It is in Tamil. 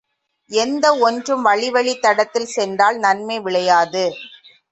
எந்த ஒன்றும் வழிவழித் தடத்தில் சென்றால் நன்மை விளையாது.